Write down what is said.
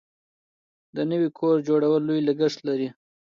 د نوي کور جوړول لوی لګښت لري.